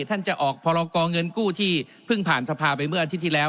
ท่านจะออกพรกรเงินกู้ที่เพิ่งผ่านสภาไปเมื่ออาทิตย์ที่แล้ว